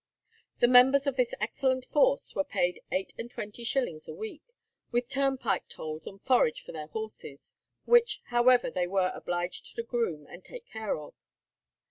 The members of this excellent force were paid eight and twenty shillings a week, with turnpike tolls and forage for their horses, which, however, they were obliged to groom and take care of.